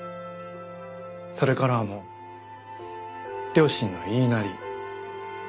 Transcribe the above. それからはもう両親の言いなり。